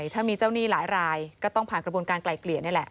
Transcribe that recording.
ถ้ามีเจ้าหนี้หลายรายก็ต้องผ่านกระบวนการไกลเกลี่ยนี่แหละ